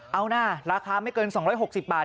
เอานะราคาไม่เกิน๒๖๐บาท